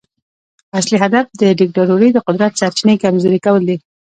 اصلي هدف د دیکتاتورۍ د قدرت سرچینې کمزوري کول دي.